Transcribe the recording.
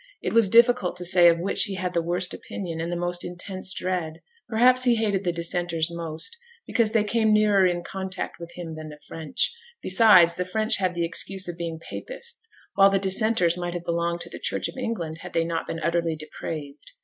It was difficult to say of which he had the worst opinion and the most intense dread. Perhaps he hated the Dissenters most, because they came nearer in contact with him than the French; besides, the French had the excuse of being Papists, while the Dissenters might have belonged to the Church of England if they had not been utterly depraved.